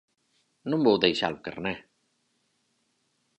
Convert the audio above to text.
Non vou deixar o carné.